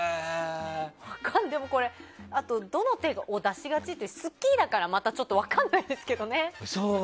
でもこれ、どの手を出しがちって好きだから、またちょっと分からないですけどね。